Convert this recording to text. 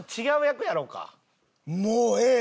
もうええ